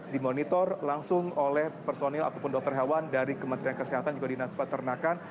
dimonitor langsung oleh personil ataupun dokter hewan dari kementerian kesehatan juga dinas peternakan